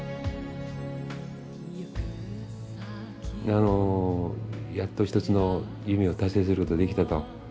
あのやっと一つの夢を達成することできたと。